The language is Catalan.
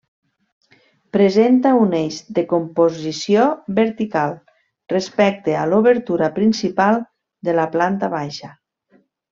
Presenta un eix de composició vertical respecte a l'obertura principal de la planta baixa.